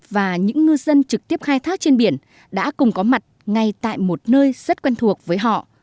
và những ngư dân trực tiếp khai thác trên biển đã cùng có mặt ngay tại một nơi rất quen thuộc với họ